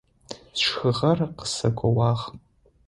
Сшхыгъэр къысэгоуагъ.